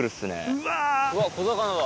うわ小魚だ。